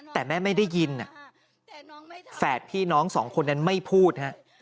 แต่แม่ไม่ได้ยินแฝดพี่น้องสองคนนั้นไม่พูดฮะ